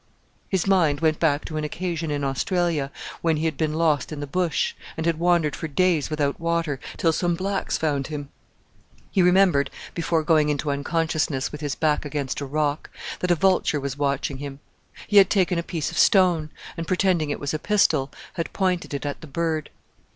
His mind went back to an occasion in Australia, when he had been lost in the Bush, and had wandered for days without water, till some blacks found him. He remembered, before going into unconsciousness with his back against a rock, that a vulture was watching him. He had taken a piece of stone, and, pretending it was a pistol, had pointed it at the bird....